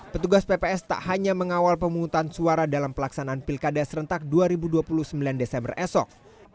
petugas pps tak hanya mengawal pemungutan suara dalam pelaksanaan pilkada serentak dua ribu dua puluh sembilan desember esok